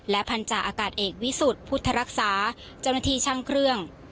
พันธาอากาศเอกวิสุทธิ์พุทธรักษาเจ้าหน้าที่ช่างเครื่อง